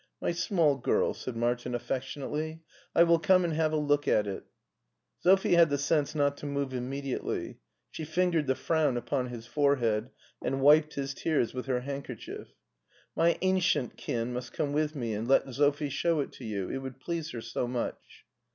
"My small girl," said Martin affectionately, "I will come and have a look at it." Sophie had the sense not to move immediately : she fingered the frown upon his forehead, and wiped his tears with her handkerchief. " My ancientkin must come with me and let Sophie show it to you ; it would please her so much."